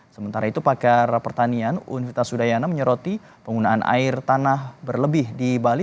sementara itu pakar pertanian unvita sudayana menyeroti penggunaan air tanah berlebih di bali